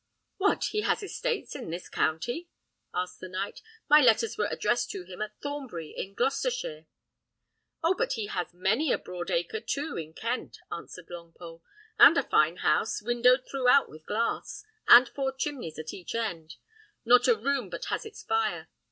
"What! has he estates in this county?" asked the knight; "my letters were addressed to him at Thornbury, in Gloucestershire." "Oh! but he has many a broad acre too in Kent," answered Longpole; "and a fine house, windowed throughout with glass, and four chimneys at each end; not a room but has its fire.